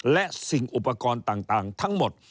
และสิ่งอุปกรณ์ต่างทั้งหมด